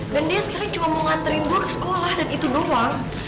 dan dia sekarang cuma mau nganterin gue ke sekolah dan itu doang